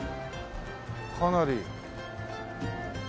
かなり。